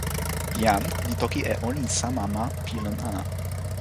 jan li toki e olin sama ma pi lon ala.